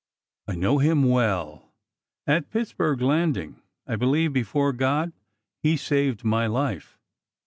I know him well. At Pittsburg Landing, I believe before God, he saved my life.